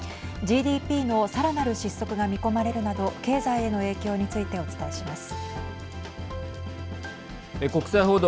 ＧＤＰのさらなる失速が見込まれるなど経済への影響についてお伝えします。